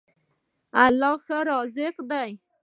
الله ښه رازق دی.